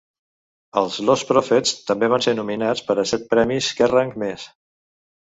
Els Lostprophets també van ser nominats per a set premis Kerrang més.